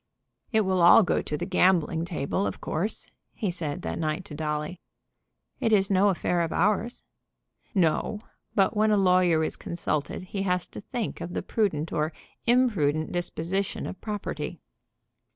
"It will all go to the gambling table, of course," he said that night to Dolly. "It is no affair of ours." "No; but when a lawyer is consulted he has to think of the prudent or imprudent disposition of property."